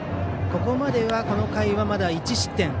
ここまでは、この回はまだ１失点。